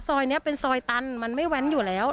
ซอยนี้เป็นซอยตันมันไม่แว้นอยู่แล้ว